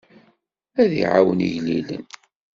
Ad iɛawen igellilen.